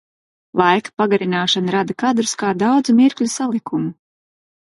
Laika pagarināšana rada kadrus kā daudzu mirkļu salikumu.